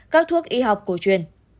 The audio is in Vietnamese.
các thuốc y học cổ truyền